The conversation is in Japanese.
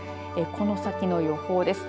この先の予報です。